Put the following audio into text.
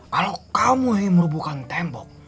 kalo kamu yang merubuhkan tembok